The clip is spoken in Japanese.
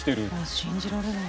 信じられない。